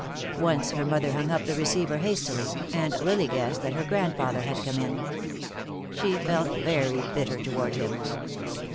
Once her mother hung up the receiver hastily, and Lily guessed that her grandfather had come in. She felt very bitter toward him.